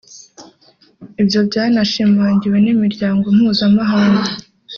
Ibyo byanashimangiwe n’imiryango mpuzamahanga